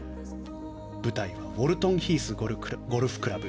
舞台はウォルトンヒースゴルフクラブ。